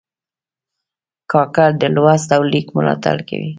کاکړ د لوست او لیک ملاتړ کوي.